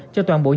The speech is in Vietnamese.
cho toàn bộ nhân